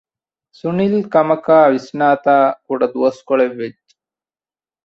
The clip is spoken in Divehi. ސުނިލް ކަމަކާއި ވިސްނާތާކުޑަ ދުވަސްކޮޅެއް ވެއްޖެ